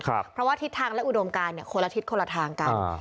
เพราะว่าทิศทางและอุดมการคนละทิศคนละทางกัน